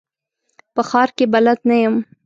په ښار کي بلد نه یم .